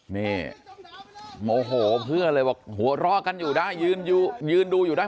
เนี่ยโมโหเพื่อนเลยว่าหัวรอกันอยู่ได้ยืนอยู่ยืนดูอยู่ได้